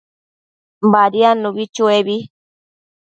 Badiadnubi chuebi